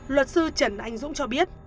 luật sư trần anh dũng cho biết